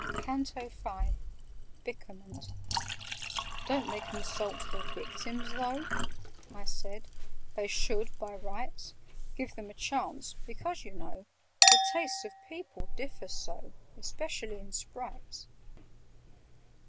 CANTO V Byckerment "DON'T they consult the 'Victims,' though?" I said. "They should, by rights, Give them a chance—because, you know, The tastes of people differ so, Especially in Sprites."